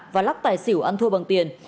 và lắp tài xỉu ăn thua bằng tiền